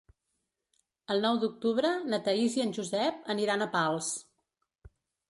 El nou d'octubre na Thaís i en Josep aniran a Pals.